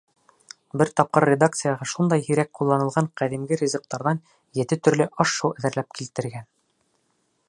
Бер тапҡыр редакцияға шундай һирәк ҡулланылған ҡәҙимге ризыҡтарҙан ете төрлө аш-һыу әҙерләп килтергән.